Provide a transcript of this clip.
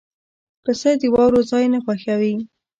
پسه د واورو ځای نه خوښوي.